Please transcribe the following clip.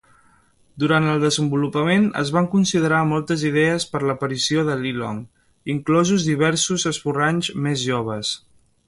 Durant el desenvolupament, es van considerar moltes idees per l'aparició de Li Long, inclosos diversos esborranys més joves.